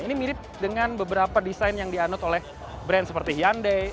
ini mirip dengan beberapa desain yang dianut oleh brand seperti hyundai